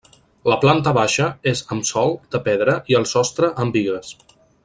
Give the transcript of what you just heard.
La planta baixa és amb sòl de pedra i el sostre amb bigues.